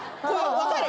分かる？